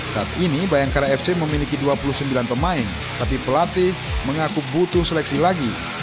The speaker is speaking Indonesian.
saat ini bayangkara fc memiliki dua puluh sembilan pemain tapi pelatih mengaku butuh seleksi lagi